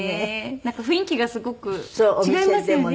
なんか雰囲気がすごく違いますよね。